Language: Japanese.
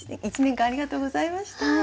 １年間ありがとうございました。